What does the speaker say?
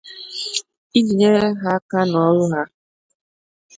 iji nyere ha aka n'ọrụ ha